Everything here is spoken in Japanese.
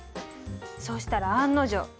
そしたら案の定。